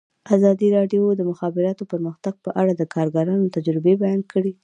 ازادي راډیو د د مخابراتو پرمختګ په اړه د کارګرانو تجربې بیان کړي.